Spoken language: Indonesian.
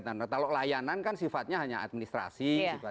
nah kalau layanan kan sifatnya hanya administrasi